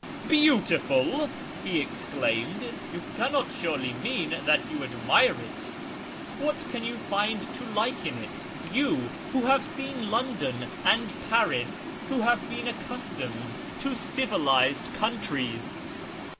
" Beautiful !" he exclaimed ;" you cannot surely mean that you admire it ? What can you find to like in it — you, who have seen London and Paris — who have been accustomed to civilised countries